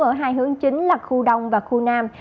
ở hai hướng chính là khu đông và khu nam